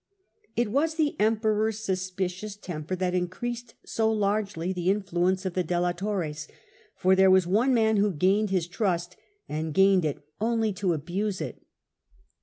It was tlie Emperor's suspicious temper that increased so largely the influence of the delator es ; but there was one man who gained his trust, and gained it only to abuse it.